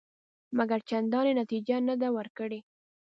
مګر چندانې نتیجه یې نه ده ورکړې.